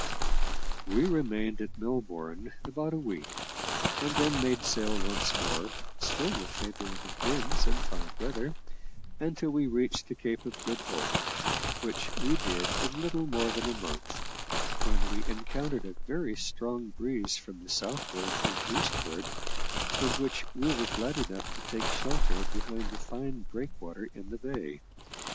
We remained at Melbourne about a week, and then made sail once more, still with favourable winds and fine weather, until we reached the Cape of Good Hope which we did in little more than a month when we encountered a very strong breeze from the southward and eastward, from which we were glad enough to take shelter behind the fine breakwater in the Bay.